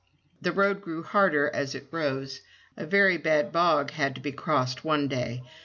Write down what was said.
The road grew harder as it rose. A very bad bog had to be crossed one day.